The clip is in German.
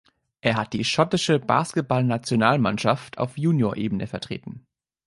Er hat die schottische Basketballnationalmannschaft auf Juniorenebene vertreten.